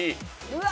うわ！